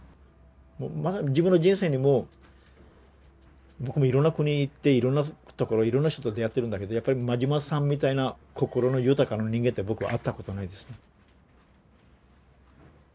自分の人生にも僕もいろんな国行っていろんなところいろんな人と出会ってるんだけどやっぱり馬島さんみたいな心の豊かな人間って僕は会ったことないですね。